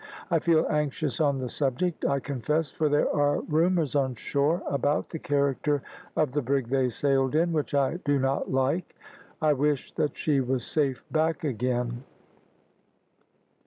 I feel anxious on the subject, I confess, for there are rumours on shore about the character of the brig they sailed in, which I do not like. I wish that she was safe back again."